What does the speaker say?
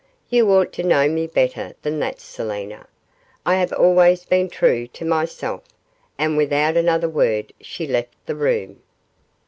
You ought to know me better than that, Selina. I have always been true to myself,' and without another word she left the room.